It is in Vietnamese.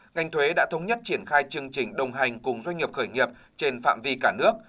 ngành thuế đã thống nhất triển khai chương trình đồng hành cùng doanh nghiệp khởi nghiệp trên phạm vi cả nước